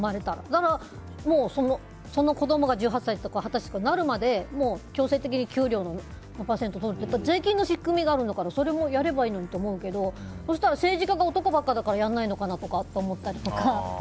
だからその子供が１８歳とか二十歳になるまで強制的に給料の何パーセント取るとか税金の仕組みがあるんだからそれもやればいいのにって思うけどそうしたら政治家が男ばっかりだからやらないのかなと思ったりとか。